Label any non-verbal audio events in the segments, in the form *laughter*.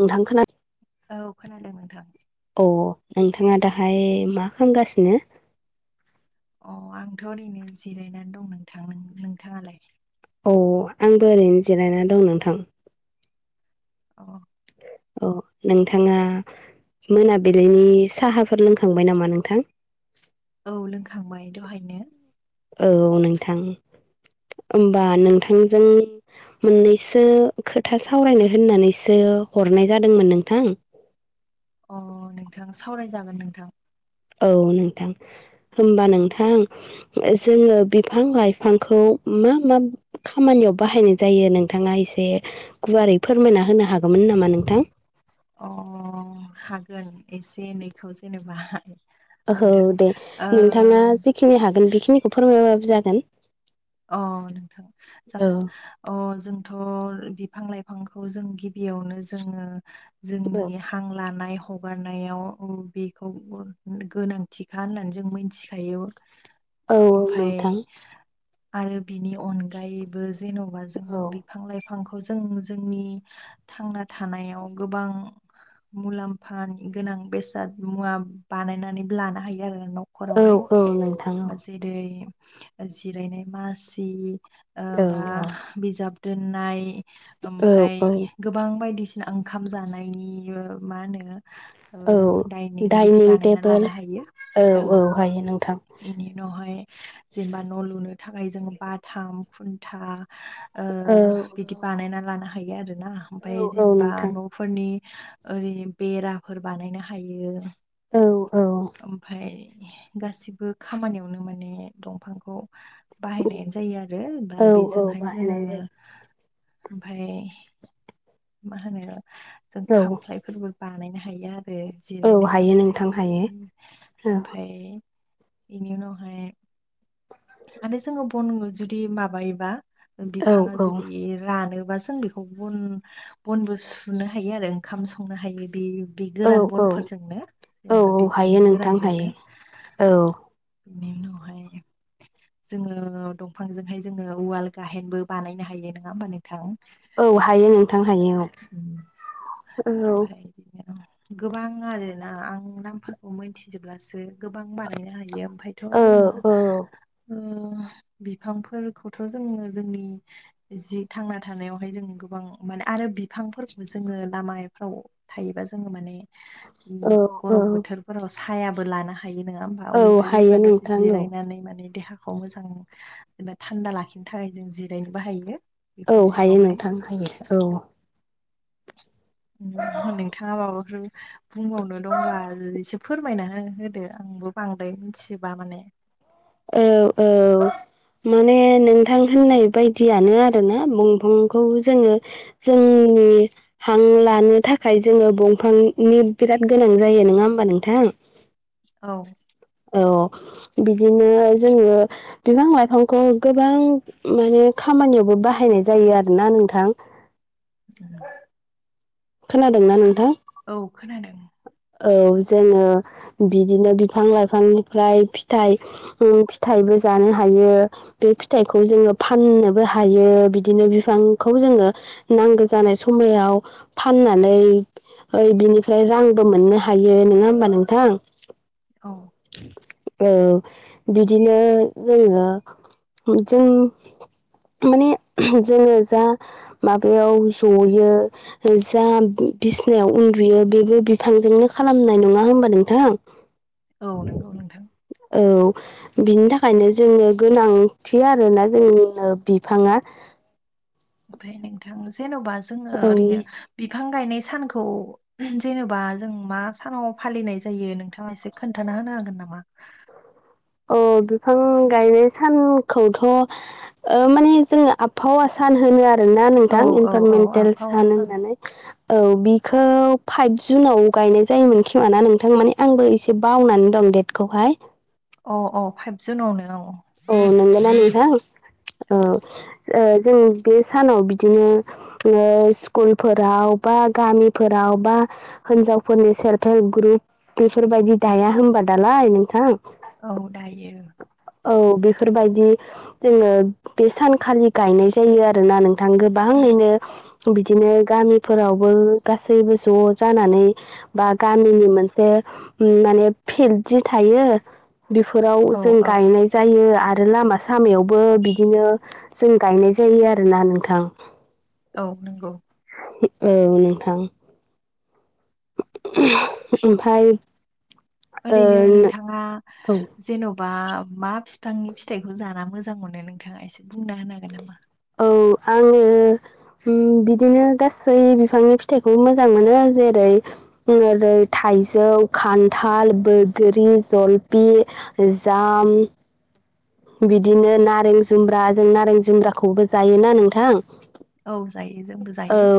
नोंथां खोना औ खोनादों नोंथां। अ नोंथांङा दाहाय मा खामगासिनो? अ आंथ' ओरैनो जिरायनानै दं नोंथां नों नोंथांङालाय? औ आंबो ओरैनो जिरायनानै दं नोंथां। अ औ नोंथाङा मोनाबिलिनि साहाफोर लोंखांबाय नामा नोंथां? औ लोंखांबाय दहायनो। औ नोंथां ओमबा नोंथांजों मोननैसो खोथा सावरायनो होननानैसो हरनाय जादोंमोन नोंथां। अ नोंथां सावरायजागोन नोंथां। औ नोंथां होमबा नोंथां। जोंङो बिफां लाइफांखौ मा मा खामानियाव बाहायनाय जायो नोंथांङा एसे गुवारै फोरमायना होनो हागौमोन नामा नोंथां? अ हागोन एसे एनैखौ जेनेबा औ नोंथां दे ओ नोंथांङा जेखिनि हागोन बेखिनिखौ फोरमायबो जागोन। अ नोंथां औ जागोन। अ जोंथ' बिफां लाइफांखौ जों गिबियावनो जोंङो औ जोंनि हां लानाय हगारनायाव बेखौबो गोनांथिखा होननानै जों मिथिखायो। औ ओमफाय नोंथां आरो बिनि अनगायैबो जेन'बा जोंङो बिफां लाइफां बिफांखौ जों जोंनि थांना थानायाव गोबां मुलाम्फानि गोनां बेसाद मुवा बानायनानै लानो हायो आरो नोंनाव नखरावहाय औ औ नोंथां जेरै जिरायनाय मासि ओ औ बा बिजाब दोननाय औ ओमफाय औ गोबां बायदिसिना ओंखाम जानायनि मा होनो? औ ओ डाइनिं बिदि बानायना लानो हायो। औ एनि उनावहाय जेनेबा न' लुनो थाखाय जों बाथाम खुन्था ओ औ बिदि बानायना लानो हायो आरो ना ओमाय औ औ जेनेबा नोंथां न' फोरनि ओरै बेराफोर बानायनो हायो। औ ओमफ्राय गाससिबो बो खामानियावनो माने दंफांखौ बाहायनायानो जायो आरो औ दा औ बेजोंहाय जोङो बाहायनाय ओमफाय मा होनो जों जायो खामफ्लायफोरबो बानायनो हायो आरो औ औ जिरायनो हायो खामफ्लाय नोंथां हायो औ ओमफाय इनि उनावहाय माने जोङो बन जुदि माबायोबा औ बिफाङा औ जुदि रानोबा जों बि बन बनबो सुनो हायो आरो ओंखाम संनो हायो बे बे औ गोरान औ बनफोरजोंनो जेनेबा औ हायो बिफांनि नोंथां गोरानजोंनो हायो औ बिनि उनावहाय जोङो दंफांजोंहाय जोङो उवाल गाहेनबो बानायनो हायो नङा होमबानो थां औ हायो नोंथां हायो ओमफाय बिदिनो गोबां आरोना आं नामफोरखौ मोनथिजोबब्लासो गोबां बानायनो हायो। ओमफायथ' औ जोङो औ बिफांफोरखौथ' जोङो जोंनि जि थांना थानायावहाय जों गोबां माने आरो बिफांफोरखौ जोङो लामायफ्राव थायोबा जोङो माने औ औ गरम बोथोरफोराव सायाबो लानो हायो नङा होन आ औ निफ्राय हायो बेबा दसे नोंथां औ जिरायनानै माने देहाखौ मोजां जेनेबा थान्दा लाखिनो थाखाय जों जिरायनो बाहायो। औ हायो नोंथां हायो। औ नोंथाङा माबाफोर बुंबावनो दंबा एसे फोरमायना हो होदो? आंबो बांद्राय मिथिजोबा माने औ-औ माने नोंथां होननाय बायदियानो आरोना बंफंखौ जोङो जोंनि हां लानो थाखाय जोङो बंफांनि बिराद गोनां जायो नङा होमबा नोंथां। औ औ बिदिनो जोङो बिफां लाइफांखौ गोबां माने खामानियावबो बाहायनाय जायो आरोोना नोंथां। उम खोनादोंना नोंथां? औ खोनादों औ जोङो बिदिनो बिफां लाइफांनिफ्राय फिथाइ फिथाइबो जानो हायो बे फिथाइखौ जोङो फाननोबो हायो बिदिनो बिफांखौ जोङो नांगौ जानाय समायाव फाननानै बिनिफ्राय रां बो मोननो हायो नङा होमबा नोंथां? औ औ बिदिनो जोङो जों माने जोङो जा माबायाव जयो जा बिसनायाव उन्दुयो बेबो फांजोंनो खालामनाय नङा होमबा नोंथां? औ नंगौ नोंथां। औ बिनि थाखायनो जोंनो गोनांथि आरोना जोंनो बिफाङा। ओमफफ्राय नोंथां जेन'बा जोङो औ ओरैनो बिफां गायनाय सानखौ जेनेबा जों मा सानाव फालिनाय जायो नोंथाङा एसे खोन्थाना होनो हागोन नामा? औ बिफां गायनाय सानखौथ' ओ माने जोङो आबहावा सान होनो आरोना औ नोंथां औ औ इनभारमेन्टेल आबहावा सान होननानै। *inaudible* औ बिखौ फाइभ जुनाव गायनाय जायोमोन खोमाना नोंथां माने आंबो एसे बावनानै दं दे खौहाय अ अ फाइभ जुनावनो औ। औ नंगौना नोंथां, औ ओ जों बे सानाव बिदिनो ओ स्कुलफोराव बा गामिफोराव बा हिनजावफोरनि सेल्फ हेल्प ग्रुप बेफोरबायदि दाया होनबा दालाय नोंथां औ दायो औ बेफोरबायदि जोङो बे सानखालि गायनाय जायो आरोना नोंथां गो बांयैनो बिदिनो गामिफोरावबो गासैबो ज' जानानै बा गामिनि मोनसे माने फिल्ड जि थायो बेफोराव औ जों औ गायनाय जायो आरो लामा सामायावबो बिदिनो जों गायनाय जायो आरोना नोंथां औ नंगौ औ नोंथां। ओमफाय ओरैनो ओ नोंथाङा औ जेन' बा मा फिफांनि फिथाइखौ जाना मोजां मोनो नोंथाङा एसे बुंना होनो हागोन नामा? औ आङो हम बिदिनो गासै बिफांनि फिथाइखौ मोजां मोनो जेरै जेरै थाइजौ खान्थाल बैग्रि जलफि जाम बिदिनो नारें जुम्ब्रा जों नारें जुम्ब्राखौबो जायोना नोंथां औ जायो जोंबो औ जायो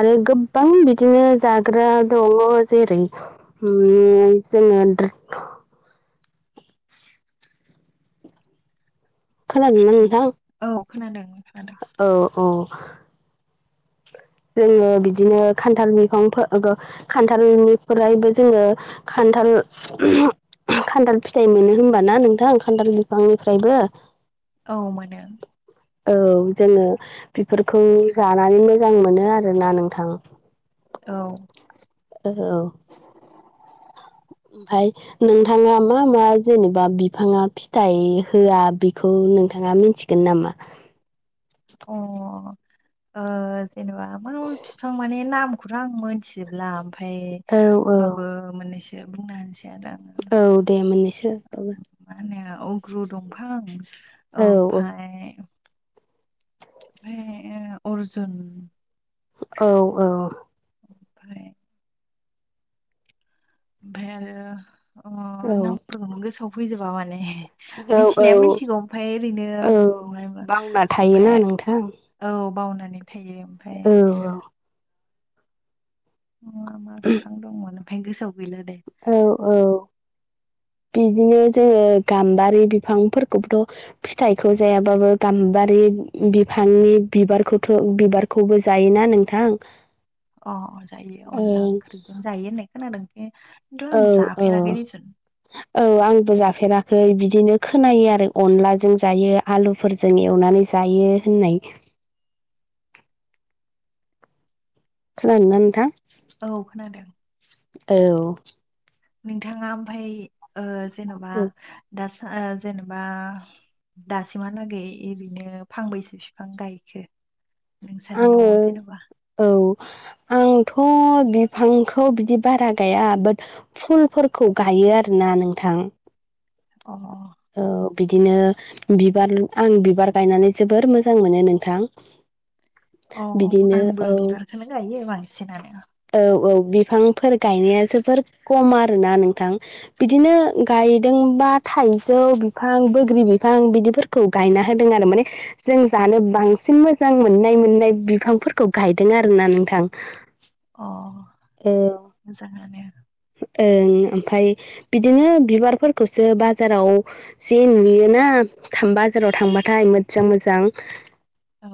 आरो गोबां बिदिनो जाग्रा दङ जेरै जोङो खोनादोंना नोंथां? औ खोनादों खोनादों। औ औ जोङो बिदिनो खान्थाल बिफां फो गो खान्थालनिफ्रायबो जोङो खान्थाल खान्थाल फिथाइ मोनो होनबा ना नोंथां खान्थाल बिफांनिफ्रायबो औ मोनो औ जोङो बेफोरखौ जानानै मोजां मोनो आरोना नोंथां। औ औ ओमफाय नोंथाङा बो मा जेनेबा बिफाङा फिथाइ होआ बि। बेखौ नोंथाङा मिथिगोन नामा। अ ओ जेनेबा मा बिफां माने नामखौथ' आं मोनथि जेब्ला ओमफ्राय औ औ होमबाबो मोननैसो बुंना होनसै आरो आं औ दे मोननैसो बाबो मा होनो अग्रु दंफां औ ओमफाय ओमफाय अर्जुन औ औ ओमफाय ओमफ्राय आरो औ नामफोरखौनो गोसोआव फैजोबा माने। औ औ मिथिनाया मिथिगौ ओमफाय ओरैनो औ ओमफ्राय बावना थायोना ओमफाय नोंथां औ बावनानै थायो ओमफाय औ मा मा बिफां दंमोन ओमफ्राय गोसोआव गैला दे। औ औ बिदिनो जोङो गाम्बारि बिफांफोरखौबोथ' फिथाइखौ जायाबाबो गाम्बारि बिफांनि बिबारखौथ' बिबार खौबो जायोना नोंथां। अ जायो अनला ओं ओंख्रिजों जायो होननाय खोनादों बे औ दं जा औ फेर गेरैस औ आंबो जाफेराखै बिदिनो खोनायो आरो अनलाजों जायो। आलुफोरजों एवनानै जायो होननाय खालामोन नोंथां। औ खोनादों। औ नोंथाङा ओमफ्राय जेन'बा औ दा जेनेबा दासिमहालागै ओरैनो फांबैसे बिफां गायखो नोंसानि आङो न'आव जेनेबा औ आंथ' बिफांखौ बिदि बारा गाया बाट फुलफोरखौ गायो आरोना नोंथां अ औ बिदिनो बिबार आं बिबार गायनानै जोबोर मोजां मोनो नोंथां। अ बिदिनो औ आंबो बिबारखौनो गायो बांसिनानो औ औ बिफांफोर गायनाया जोबोर खम आरोना नोंथां। बिदिनो गायदोंबा थाइजौ बिफां बोग्रि बिफां बिदिफोर खौ गायना होदों आरो माने जों जानो बांसिन मोजां मोननाय मोननाय बिफांफोरखौ गायदों आरोना नोंथां। अ औ मोजाङानो ओं ओमफ्राय बिदिनो बिबारफोरखौसो बाजाराव जे नुयोना बाजाराव थांबाथाय मोजां मोजां औ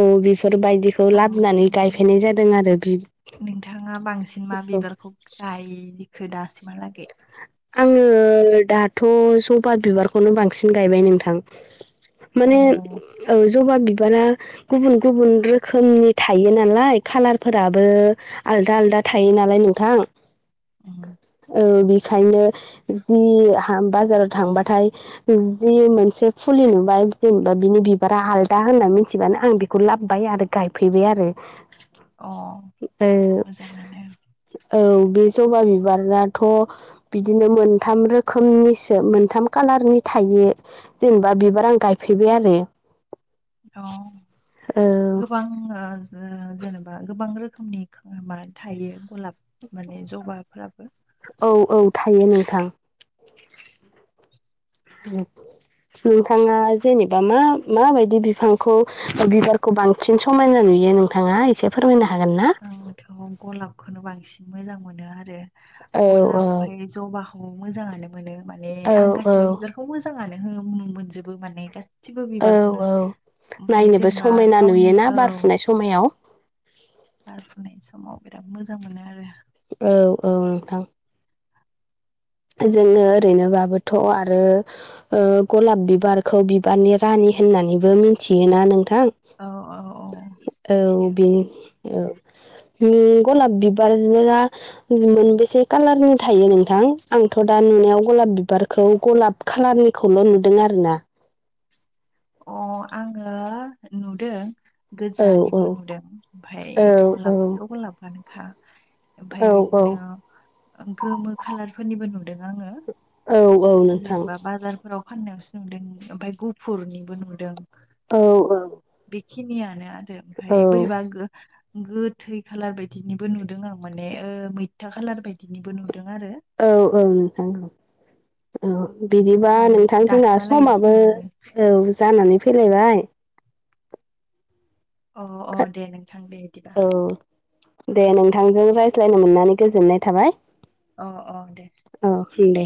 औ बेफोरबायदिखौ लाबोनानै बांसिन गायफैनाय जादों आरो नोंथाङा बांसिन मा औ बिबारखौ गायखो दासिमहालागै आङो दाथ' सबा बिबारखौनो बांसिन गायबाय नोंथां। अ माने ओ जबा बिबारा गुबुन गुबुन रोखोमनि थायो नालाय कालारफोराबो आलदा आलदा थायो नालाय नोंथां। उम औ बेखायनो जि बाजाराव थांबाथाय जि मोनसे फुलि नुबाय जेनेबा बिनि बिबारा आलदा होनना मिथिबानो आं बेखौ लाबबाय आरो गायफैबाय आरो अ ओ मोजाङानो औ बे जबा बिबाराथ' बिदिनो मोनथाम रोखोमनिसो मोनथाम खालारनि थायो। जेनेबा बिबार आं गायफेरबाय आरो अ गोबां जेनेबा गोबां रोखोमनि म थायो गलाब माने जबाफ्राबो औ औ थायो नोंथां। औ नोंथाङा जेनेबा मा माबायदि बिफांखौ बिबारखौ बांसिन थिन समायना नुयो नोंथाङा एसे फोरमायनो हागोन ना? आंथ' गलाबखौनो बांसिन मोजां मोनो आरो औ औ गलाब ओमफ्राय जबाखौ मोजाङानो मोनो माने औ आं गासिबो औ बिबारखौ खौ मोजाङानो हो मोनजोबो माने गा गासिबो औ बिबारखौनो औ ओमफाय नायनोबो जेनेबा समायना गावनि नुयोना औ बारफुनाय समायाव बारफुनाय समाव बिराद मोजां मोनो आरो औ औ नोंथां जोंनो ओरैनोबाबोथ' आरो ओ ग'लाब बिबारखौ बिबारनि रानि होननानैबो मिनथियोना नोंथां औ औ औ औ मिथियो बेनि औ ओम ग'लाब बिबार बिबारा मोनबेसे खालारनि थायो नोंथां आंथ' दा नुनायाव ग'लाब बिबारखौ गलाब खालारनिखौल' नुदों आरोना अ आङो नुदों औ औ गोजानिबो नुदों ओमफाय औ औ ग'लाबथ' ग'लाबानोखा ओमफाय औ औ बिदनो गोमो खालारफोरनिबो नुदों आङो औ औ नोंथां जेनेबा बाजारफोराव फाननायावसो नुदों ओमफाय गुफुरनिबो नुदों औ औ बेखिनियानो आरो औ ओमफाय बोरैबा गो गोथै खालार बायदिनिबो नुदों आं माने ओ मैथा खालार बायदिनिबो नुदों आरो औ औ नोंथां औ बिदिबा आं बे नोंथां जोंना दासिमहालागै समाबो बेखिनियाव नुदों औ जानानै फैलायबाय अ अ दे नोंथां दे बिदिबा औ दे नोंथांजों रायज्लायनो मोननानै गोजोननाय थाबाय अ अ दे अ दे